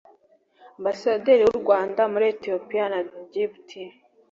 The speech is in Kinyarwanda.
Ambasaderi w’u Rwanda muri Ethiopia na Djibouti